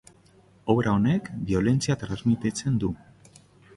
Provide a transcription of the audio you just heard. Obra honek biolentzia transmititzen du.